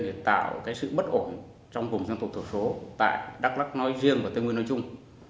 để tạo cái sự bất ổn trong vùng dân tộc thiểu số tại đắk lắc nói riêng và tây nguyên nói chung